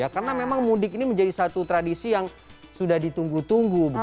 karena memang mudik ini menjadi satu tradisi yang sudah ditunggu tunggu